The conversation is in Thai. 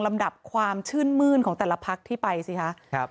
ลำดับความชื่นมื้นของแต่ละพักที่ไปสิคะครับ